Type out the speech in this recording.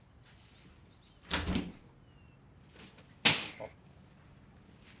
あっ。